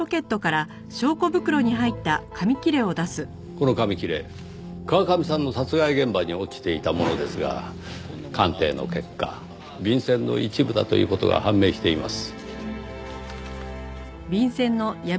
この紙切れ河上さんの殺害現場に落ちていたものですが鑑定の結果便箋の一部だという事が判明しています。